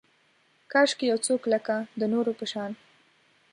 کاشکي یو څوک لکه، د نورو په شان